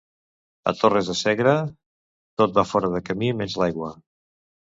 A Torres de Segre, tot va fora de camí menys l'aigua.